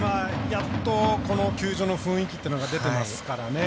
やっと、この球場の雰囲気というのが出てますからね。